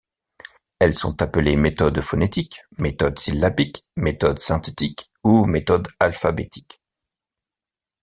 Elles sont appelées méthode phonétique, méthode syllabique, méthode synthétique ou méthode alphabétique.